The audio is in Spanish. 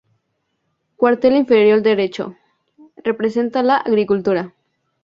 Cuartel inferior derecho, representa la agricultura.